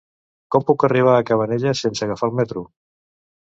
Com puc arribar a Cabanelles sense agafar el metro?